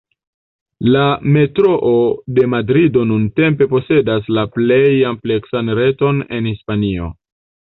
La Metroo de Madrido nuntempe posedas la plej ampleksan reton en Hispanio.